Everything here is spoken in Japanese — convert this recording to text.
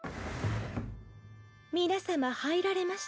皆さま入られました。